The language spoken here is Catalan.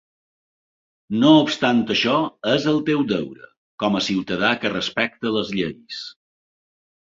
No obstant això, és el teu deure, com a ciutadà que respecta les lleis.